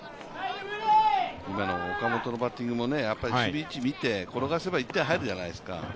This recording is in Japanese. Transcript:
今の岡本のバッティングも、守備位置を見て、転がせば１点入るじゃないですか